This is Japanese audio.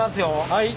はい。